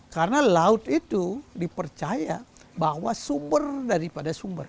karena laut itu dipercaya bahwa sumber daripada sumber